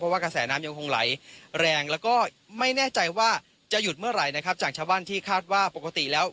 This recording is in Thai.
ว่ากระแสน้ำยังคงไหลแรงแล้วก็ไม่แน่ใจว่าจะหยุดเมื่อไหร่นะครับจากชาวบ้านที่คาดว่าปกติแล้ว